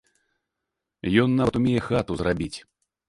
Ён нават умее хату зрабіць.